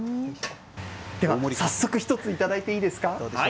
では、早速１つ頂いていいですか？